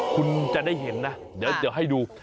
คุณจะได้เห็นนะเดี๋ยวให้ดู